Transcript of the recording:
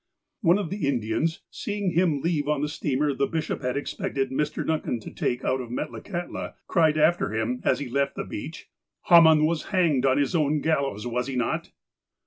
One of the Indians, seeing him leave on the steamer the bishop had expected Mr. Duncan to take out of Metla kahtla, cried after him, as he left the beach :" Haman was hanged on his own gallows, was he not